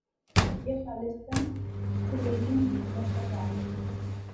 یہ خالصتا سویلین حکومت کا کام ہے۔